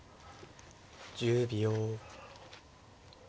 １０秒。